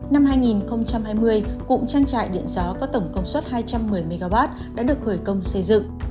năm hai nghìn hai mươi cụm trang trại điện gió có tổng công suất hai trăm một mươi mw đã được khởi công xây dựng